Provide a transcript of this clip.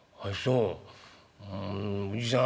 うおじさん